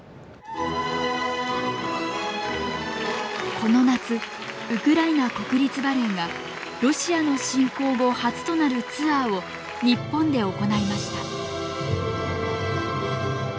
この夏ウクライナ国立バレエがロシアの侵攻後初となるツアーを日本で行いました。